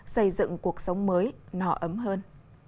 xây dựng cuộc sống mới nọ ấm hơn